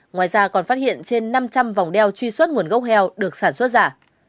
ngoài ra còn phát hiện trên năm trăm linh vòng đeo truy xuất nguồn gốc heo được sản xuất giả